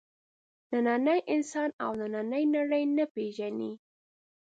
نننی انسان او نننۍ نړۍ نه پېژني.